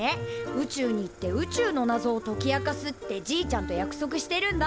宇宙に行って宇宙のなぞを解き明かすってじいちゃんと約束してるんだ！